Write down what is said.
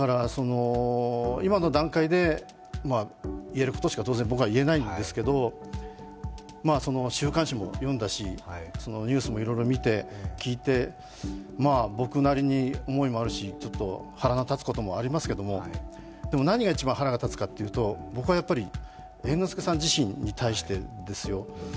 今の段階で言えることしか当然、僕は言えないんですけど週刊誌も読んだし、ニュースもいろいろ見て、聞いて僕なりに思いもあるし、ちょっと腹の立つこともありますけれどもでも何が一番腹が立つかというと僕はやっぱり猿之助さん自身に対してですよ。